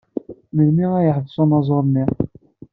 Melmi ay yeḥbes unẓar-nni?